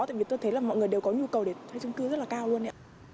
tại vì tôi thấy là mọi người đều có nhu cầu để thuê chung cư rất là cao luôn